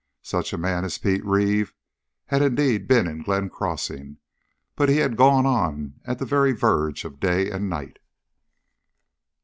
Such a man as Pete Reeve had indeed been in Glenn Crossing, but he had gone on at the very verge of day and night.